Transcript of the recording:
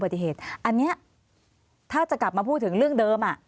อุบัติเหตุอันนี้ถ้าจะกลับมาพูดถึงเรื่องเดิม